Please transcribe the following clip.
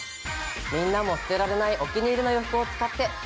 みんなも捨てられないお気に入りの洋服を使って。